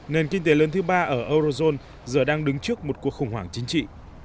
nền kinh tế lớn thứ ba ở eurozone giờ đang đứng trước một cuộc khủng hoảng chính trị